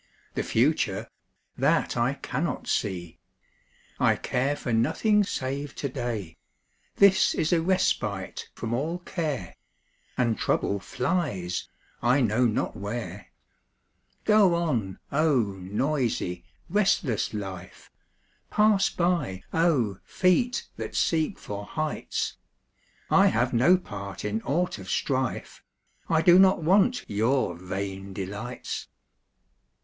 The future that I cannot see! I care for nothing save to day This is a respite from all care, And trouble flies I know not where. Go on, oh, noisy, restless life! Pass by, oh, feet that seek for heights! I have no part in aught of strife; I do not want your vain delights.